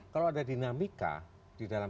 kalau ada dinamika di dalam